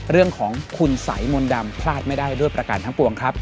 เรื่องของคุณสัยมนต์ดำพลาดไม่ได้ด้วยประกันทั้งปวงครับ